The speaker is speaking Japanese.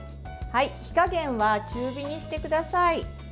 火加減は中火にしてください。